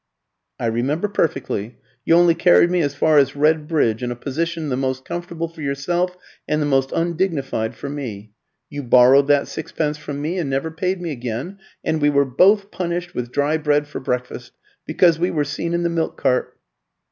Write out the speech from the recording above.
"I remember perfectly. You only carried me as far as Red Bridge, in a position the most comfortable for yourself and the most undignified for me. You borrowed that sixpence from me and never paid me again; and we were both punished with dry bread for breakfast, because we were seen in the milk cart."